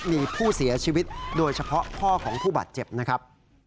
มีผู้เสียชีวิตโดยเฉพาะพ่อของผู้บาดเจ็บนะครับ